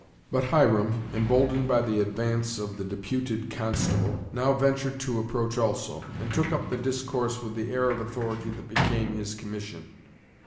But Hiram, emboldened by the advance of the deputed constable, now ventured to approach also, and took up the discourse with the air of authority that became his commission.